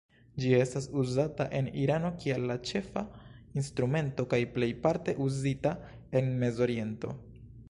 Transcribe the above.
Ĝi estas uzata en Irano kiel la ĉefa instrumento kaj plejparte uzita en Mezoriento.